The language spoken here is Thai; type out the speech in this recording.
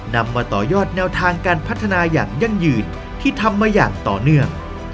นำมาต่อยอดแนวทางการพัฒนาอย่างยั่งยืนที่ทำมาอย่างต่อเนื่อง